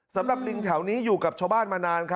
สำหรับลิงแถวนี้อยู่กับชาวบ้านมานานครับ